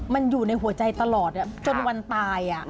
มันอยู่ในหัวใจตลอดจนวันตาย